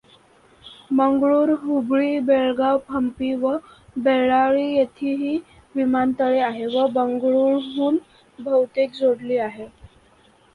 मंगळूर, हुबळी, बेळगाव, हंपी व बेळ्ळारी येथेही विमानतळे आहे व बंगळूरहून बहुतेक जोडली आहेत.